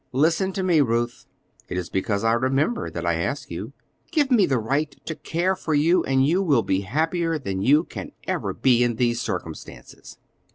"Listen to me, Ruth. It is because I remember that I ask you. Give me the right to care for you, and you will be happier than you can ever be in these circumstances."